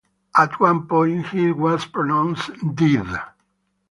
At one point he was pronounced dead.